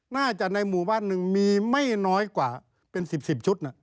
น่าจะในหมู่บ้านนึงมีไม่น้อยกว่าเป็นสิบชุดน่ะ